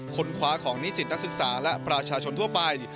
คว้าของนิสิตนักศึกษาและประชาชนทั่วไป